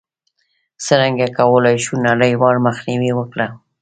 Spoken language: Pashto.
څرنګه کولای شو نړیوال مخنیوی وکړو؟